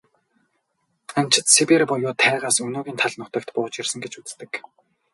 Анчид Сибирь буюу тайгаас өнөөгийн тал нутагт бууж ирсэн гэж үздэг.